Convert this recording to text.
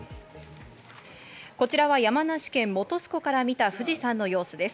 こちらは山梨県本栖湖から見た富士山の様子です。